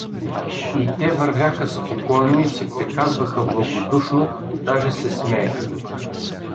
И те вървяха спокойно и си приказваха благодушно, даже се смееха.